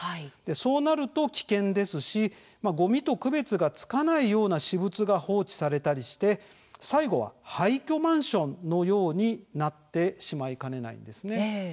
そうなると危険ですしごみと区別がつかない私物が放置されたりして最後は廃虚マンションにもなりかねません。